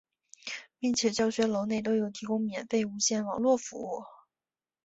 并且教学楼内都有提供免费无线网络服务。